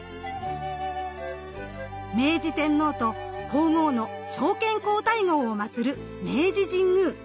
明治天皇と皇后の昭憲皇太后をまつる明治神宮。